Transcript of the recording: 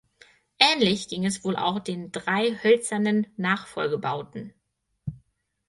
Ähnlich ging es wohl auch den drei hölzernen Nachfolgebauten.